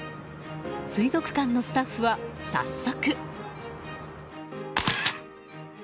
水族館のスタッフは、早速。